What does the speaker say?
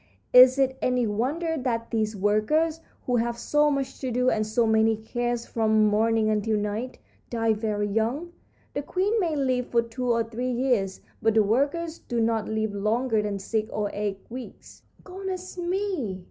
Is it any wonder that these workers, who have so much to do and so many cares from morning until night, die very young? The queen may live for two or three years, but the workers do not live longer than six or eight weeks." "Goodness me!"